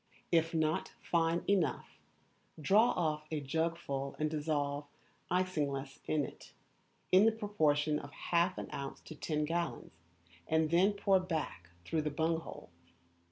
If not fine enough, draw off a jugful and dissolve isinglass in it, in the proportion of half an ounce to ten gallons, and then pour back through the bung hole.